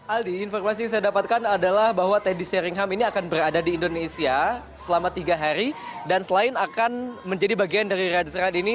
aldi informasi yang saya dapatkan adalah bahwa teddy sharingham ini akan berada di indonesia selama tiga hari dan selain akan menjadi bagian dari radhisaran ini